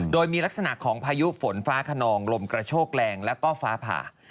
โดยมีลักษณะของพายุฝนฟ้าขนองลมกระโชกแรงแล้วก็ฟ้าผ่า